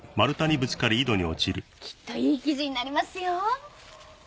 きっといい記事になりますよ